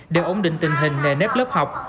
để ổn định tình hình nề nếp lớp học